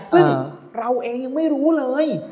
ซึ่งเราเองยังไม่รู้เลย